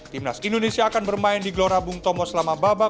timnas indonesia akan bermain di glorabung tomo selama babak